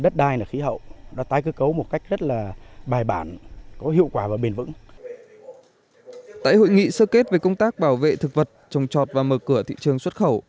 tại hội nghị sơ kết về công tác bảo vệ thực vật trồng trọt và mở cửa thị trường xuất khẩu